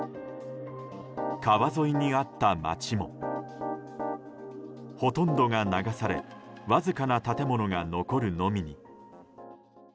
川沿いにあった街もほとんどが流されわずかな建物が残るのみに。